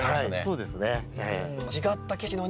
そうですか。